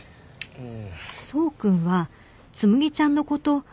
うん。